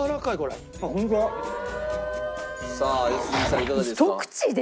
いかがですか？